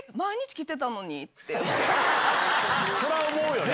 それは思うよね！